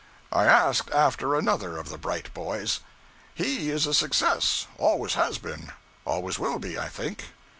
I asked after another of the bright boys. 'He is a success, always has been, always will be, I think.'